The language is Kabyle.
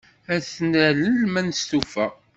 Ad t-nalel ma nestufa.